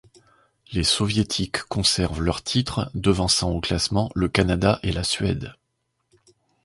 Les soviétiques conservent leur titre devançant au classement le Canada et la Suède.